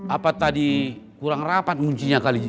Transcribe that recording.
apa tadi kurang rapat kuncinya kali